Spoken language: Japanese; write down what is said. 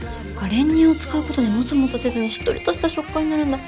練乳を使うことでもそもそせずにしっとりとした食感になるんだ。